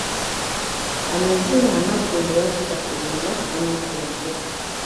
Amazina amaggunju, lwaki gaatuumibwa amaggunju?